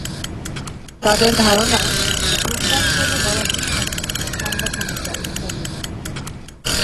তাদের ধারণা, ধূমপান করলে গলা ঠিক থাকে, ঠান্ডা কমে যায় ইত্যাদি।